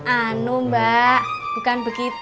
anu mbak bukan begitu